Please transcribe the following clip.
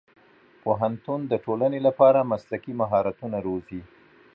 پوهنتون د ټولنې لپاره مسلکي مهارتونه روزي.